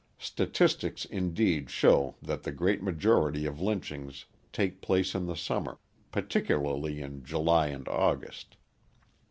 Statistics, indeed, show that the great majority of lynchings take place in the summer, particularly in July and August.